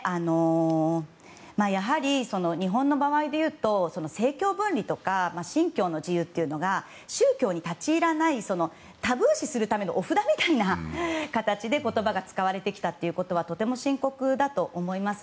やはり日本の場合でいうと政教分離とか信教の自由というのが宗教に立ち入らないタブー視するためのお札みたいな形で言葉が使われてきたということはとても深刻だと思います。